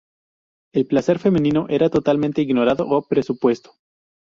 El placer femenino era totalmente ignorado o presupuesto.